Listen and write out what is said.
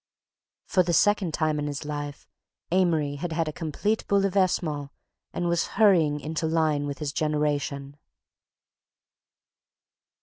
For the second time in his life Amory had had a complete bouleversement and was hurrying into line with his generation.